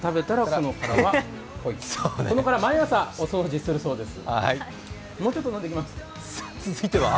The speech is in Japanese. この殻、毎朝、お掃除するそうです。